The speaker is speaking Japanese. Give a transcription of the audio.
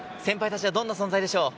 先輩たち、どんな存在でしょう？